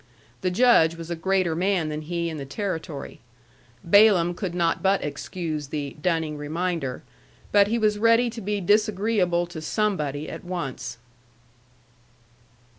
The Judge was a greater man than he in the Territory. Balaam could not but excuse the "dunning reminder," but he was ready to be disagreeable to somebody at once.